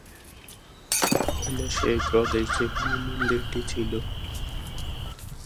হল সেই প্রদেশ যেখানে মন্দিরটি ছিল।